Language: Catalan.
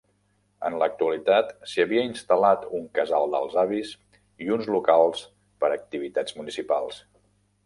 En l'actualitat s'hi havia instal·lat un casal dels avis i uns locals per activitats municipals.